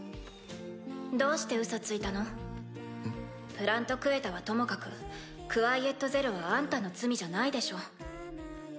プラント・クエタはともかくクワイエット・ゼロはあんたの罪じゃないでしょ。